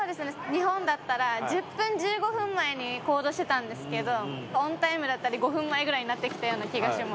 日本だったら、１０分、１５分前に行動してたんですけど、オンタイムだったり、５分前になってきたような気がします。